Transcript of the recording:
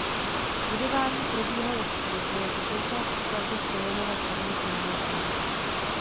Budování probíhalo skrytě jako součást stavby Stalinova pomníku na Letné.